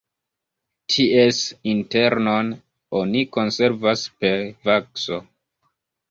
Ties internon oni konservas per vakso.